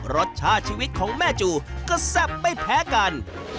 รสชาติชีวิตของแม่จูก็แซ่บไม่แพ้กัน